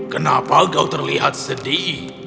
kenapa kau terlihat sedih